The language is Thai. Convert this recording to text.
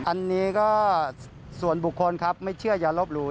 อันนี้ก็ส่วนบุคคลครับไม่เชื่ออย่าลบหลู่